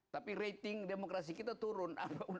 tapi rating demokrasi kita turun